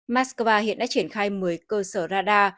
moscow hiện đã triển khai một mươi cơ sở radar